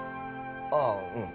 ああうん。